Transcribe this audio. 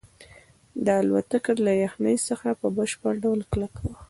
دا الوتکه له یخنۍ څخه په بشپړ ډول کلکه وه